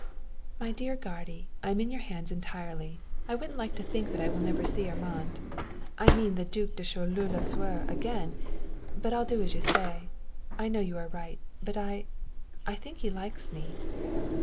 "My dear guardy, I am in your hands entirely. I wouldn't like to think that I will never see Armand I mean the Duc de Choleaux Lasuer again, but I'll do as you say, I know you are right, but I I think he likes me."